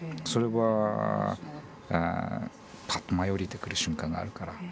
それはパッと舞い降りてくる瞬間があるから。